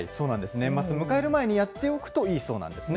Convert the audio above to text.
年末を迎える前にやっておくといいそうなんですね。